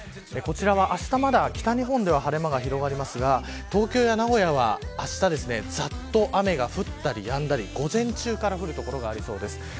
こちらはまだ北日本では晴れ間が広がりますが東京や名古屋はあしたざっと雨が降ったりやんだり午前中から降る所がありそうです。